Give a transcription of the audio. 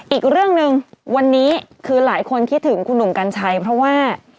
อีกเรื่องหนึ่งวันนี้คือหลายคนคิดถึงคุณหนุ่มกัญชัยเพราะว่า